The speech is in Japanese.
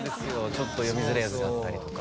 ちょっと読みづらいやつがあったりとか。